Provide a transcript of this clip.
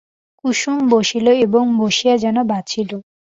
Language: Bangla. কুসুম বসিল এবং বসিয়া যেন বাঁচিল।